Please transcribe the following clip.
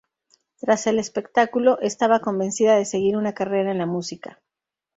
Tras el espectáculo, estaba convencida de seguir una carrera en la música.